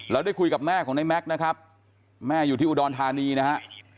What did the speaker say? ได้คุยกับแม่ของในแม็กซ์นะครับแม่อยู่ที่อุดรธานีนะฮะ